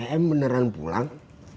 em beneran pulang